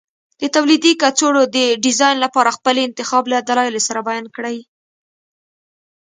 د تولیدي کڅوړو د ډیزاین لپاره خپل انتخاب له دلایلو سره بیان کړئ.